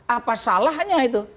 apa salahnya itu